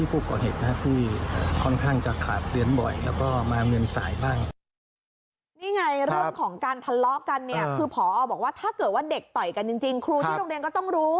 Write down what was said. ครูที่โรงเรียนก็ต้องรู้